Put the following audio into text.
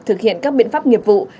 thực hiện các biện pháp nghiệp vụ